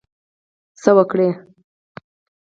څه وکړی.